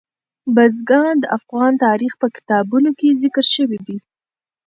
بزګان د افغان تاریخ په کتابونو کې ذکر شوی دي.